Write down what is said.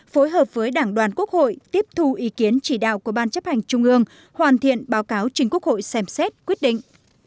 phối hợp với đảng đoàn quốc hội tiếp thu ý kiến chỉ đạo của ban chấp hành trung ương hoàn thiện báo cáo trình quốc hội xem xét quyết định